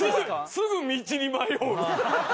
すぐ道に迷う。